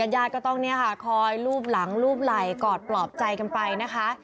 ญาติก็ต้องเนี่ยค่ะคอยรูปหลังรูปไหล่กอดปลอบใจกันไปนะคะ